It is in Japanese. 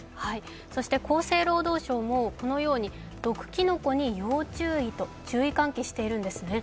そして厚生労働省もこのように、毒きのこに要注意と注意喚起しているんですね。